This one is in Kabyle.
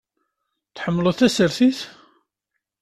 Tḥemmleḍ tasertit?